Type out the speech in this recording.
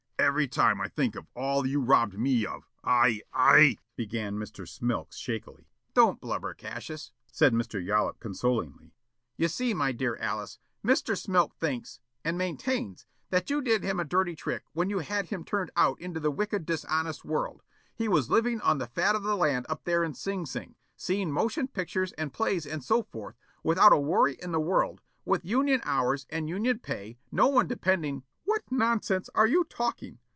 "Every time I think of all that you robbed me of, I I " began Mr. Smilk, shakily. "Don't blubber, Cassius," said Mr. Yollop consolingly. "You see, my dear Alice, Mr. Smilk thinks, and maintains, that you did him a dirty trick when you had him turned out into a wicked, dishonest world. He was living on the fat of the land up there in Sing Sing, seeing motion pictures and plays and so forth, without a worry in the world, with union hours and union pay, no one depending " "What nonsense are you talking?